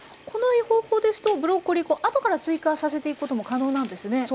この方法ですとブロッコリー後から追加させていくことも可能なんですね。